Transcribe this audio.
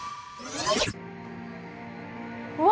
うわ！